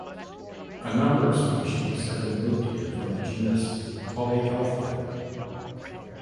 A number of species have been moved here from the genus "Polyalthia".